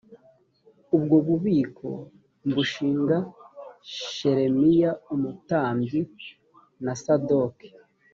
ubwo bubiko mbushinga shelemiya umutambyi na sadoki